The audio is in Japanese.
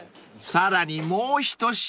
［さらにもう一品］